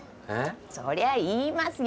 そりゃ言いますよ。